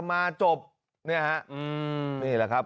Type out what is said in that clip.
มีพฤติกรรมเสพเมถุนกัน